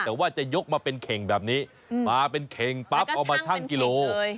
แต่ว่าจะยกมาเป็นเข่งแบบนี้มาเป็นเข่งปั๊บเอามาชั่งกิโล